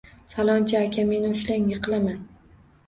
Falonchi aka, meni ushlang, yiqilaman.